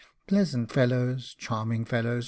pleasant fellows! charming fellows!